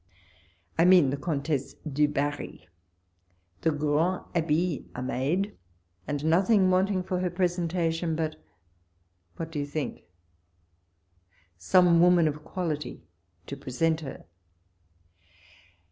I mean the Comtesse du Barri. The grands habit.'; are made, and nothing wanting for her presenta tion but— ^what do you think I some woman of quality to present her.